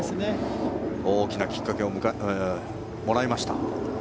大きなきっかけをもらいました。